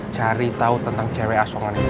cari tahu tentang cewek asongan ini